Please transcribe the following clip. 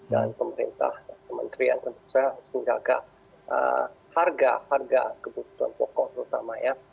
dan pemerintah dan pemerintah yang tentu saja harus menjaga harga harga kebutuhan pokok terutama ya